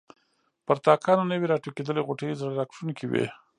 پر تاکانو نوي راټوکېدلي غوټۍ زړه راکښونکې وې.